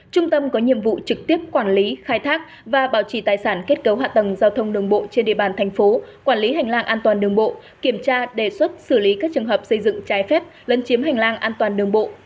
trung tâm có nhiệm vụ trực tiếp quản lý khai thác và bảo trì tài sản kết cấu hạ tầng giao thông đường bộ trên địa bàn thành phố quản lý hành lang an toàn đường bộ kiểm tra đề xuất xử lý các trường hợp xây dựng trái phép lấn chiếm hành lang an toàn đường bộ